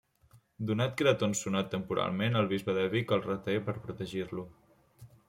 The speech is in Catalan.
Donat que era tonsurat, temporalment el bisbe de Vic el reté per protegir-lo.